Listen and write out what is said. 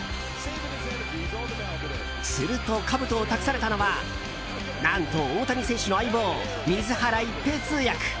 すると、かぶとを託されたのは何と大谷選手の相棒水原一平通訳！